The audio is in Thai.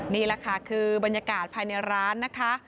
นี่แหละค่ะคือบรรยากาศภายในร้านนะคะ